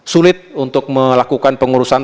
sulit untuk melakukan pengurusan